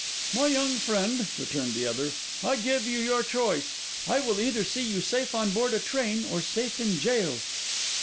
'My young friend,' returned the other, 'I give you your choice. I will either see you safe on board a train or safe in gaol.